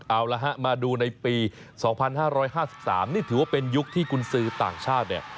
เอาละฮะมาดูในปี๒๕๕๓นี่ถือว่าเป็นยุคที่กุญสือต่างชาติเนี่ย